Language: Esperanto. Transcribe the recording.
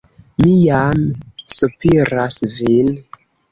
Mi jam sopiras vin.